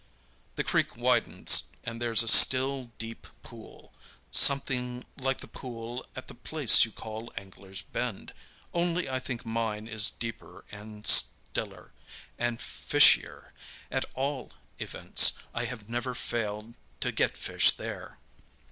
The creek widens, and there's a still, deep pool, something like the pool at the place you call Anglers' Bend, only I think mine is deeper and stiller, and fishier! At all events, I have never failed to get fish there.